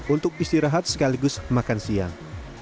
untuk istirahat sekaligus makan siang